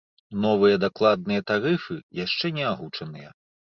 Новыя дакладныя тарыфы яшчэ не агучаныя.